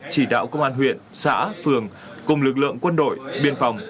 chỉ đạo công an huyện xã phường cùng lực lượng quân đội biên phòng